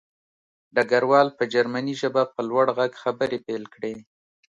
ډګروال په جرمني ژبه په لوړ غږ خبرې پیل کړې